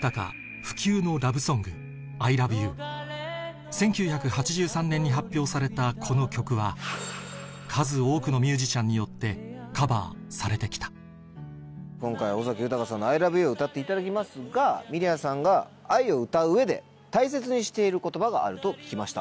不朽のラブソング数多くのミュージシャンによってカバーされて来た今回尾崎豊さんの『ＩＬＯＶＥＹＯＵ』を歌っていただきますがミリヤさんが愛を歌う上で大切にしている言葉があると聞きました。